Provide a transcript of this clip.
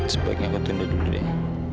sebaiknya aku tunduk dulu deh